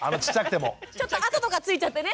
ちょっと跡とかついちゃってね。